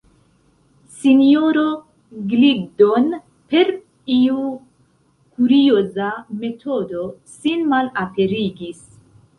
Sinjoro Gliddon, per iu kurioza metodo, sin malaperigis.